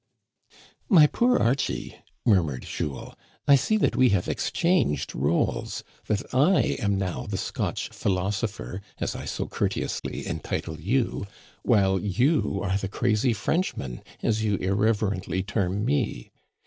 " My poor Archie," murmured Jules, I see that we have exchanged rôles ; that I am now the Scptch phi losopher, as I so courteously entitle you, while you are the crazy Frenchman, as you irreverently term me.